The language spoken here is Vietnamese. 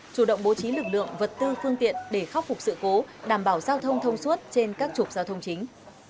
chủ động bố trí lực lượng vật tư phương tiện để khắc phục sự cố đảm bảo giao thông thông suốt trên các trục giao thông chính